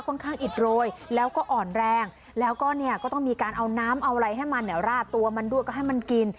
อิดโรยแล้วก็อ่อนแรงแล้วก็เนี่ยก็ต้องมีการเอาน้ำเอาอะไรให้มันเนี่ยราดตัวมันด้วยก็ให้มันกิน